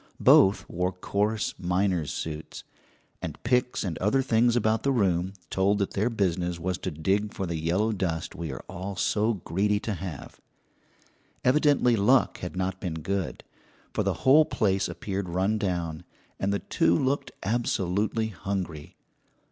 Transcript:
Both wore coarse miner's suits, and picks and other things about the room told that their business was to dig for the yellow dust we are all so greedy to have. Evidently luck had not been good, for the whole place appeared run down, and the two looked absolutely hungry.